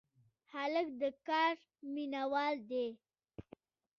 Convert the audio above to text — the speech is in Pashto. هلک د کار مینه وال دی.